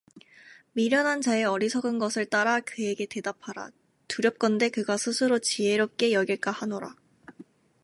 미련한 자의 어리석은 것을 따라 그에게 대답하라 두렵건대 그가 스스로 지혜롭게 여길까 하노라